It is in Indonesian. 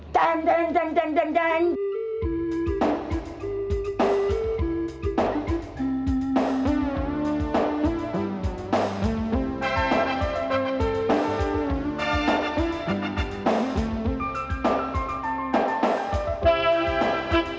dang dang dang dang dang dang dang